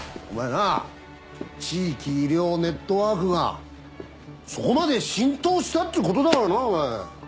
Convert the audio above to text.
お前な地域医療ネットワークがそこまで浸透したってことだろなぁ。